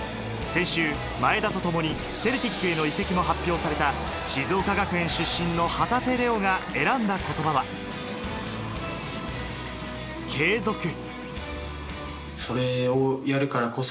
先週、前田とともにセルティックへの移籍も発表された静岡学園出身の旗手怜央が選んだ言葉は継続。